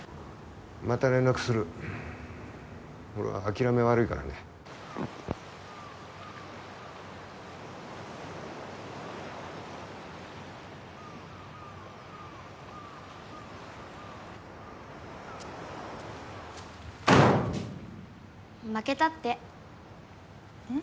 また連絡する俺は諦め悪いからね負けたってうん？